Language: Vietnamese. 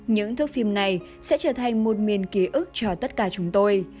những thước phim này sẽ trở thành một miền ký ức cho tất cả chúng tôi